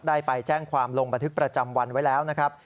ได้ไปแจ้งความลงบันทึกประจำวันไว้แล้วนะครับ